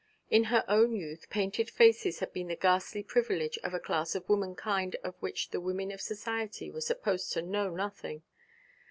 In her own youth painted faces had been the ghastly privilege of a class of womankind of which the women of society were supposed to know nothing.